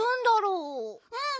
うん。